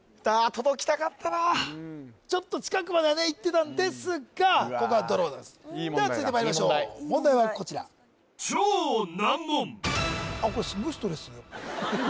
届きたかったなちょっと近くまでねいってたんですがここはドローでございますいい問題では続いてまいりましょう問題はこちらあっこれすごいストレス